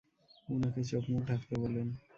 উনাকে চোখমুখ ঢাকতে বলুন!